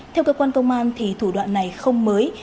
theo cơ quan công an thủ đoạn này không mới